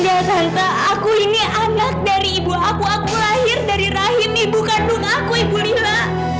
tante tidak tante aku ini anak dari ibu aku aku lahir dari rahim ibu kandung aku ibu lila